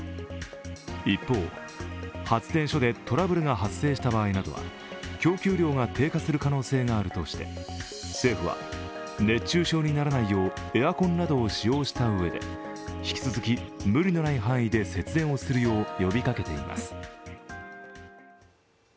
一方、発電所でトラブルが発生した場合などは供給量が低下する可能性があるとして、政府は熱中症にならないようエアコンなどを使用したうえで引き続き無理のない範囲で節電をするよう呼びかけています。